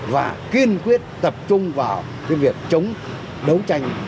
và kiên quyết tập trung vào cái việc chống đấu tranh